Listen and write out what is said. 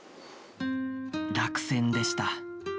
落選でした。